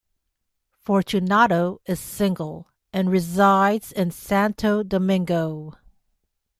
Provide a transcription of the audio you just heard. Fortunato is single and resides in Santo Domingo.